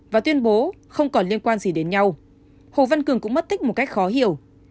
và tuyên bố không còn liên quan gì đến nhau hồ văn cường cũng mất tích một cách khó hiểu